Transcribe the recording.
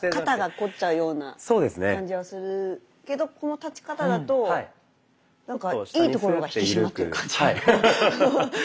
肩が凝っちゃうような感じはするけどこの立ち方だとなんかいいところが引き締まってる感じが。